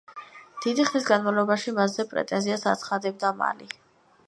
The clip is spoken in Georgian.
დიდი ხნის განმავლობაში მასზე პრეტენზიას აცხადებდა მალი.